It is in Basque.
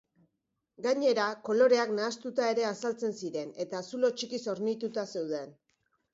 Gainera, koloreak nahastuta ere azaltzen ziren eta zulo txikiz hornituta zeuden.